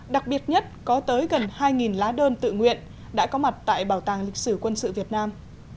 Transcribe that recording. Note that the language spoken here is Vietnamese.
đặc biệt nhất có tới gần hai lá đơn tự nguyện đã có mặt tại bảo tàng lịch sử quân sự việt nam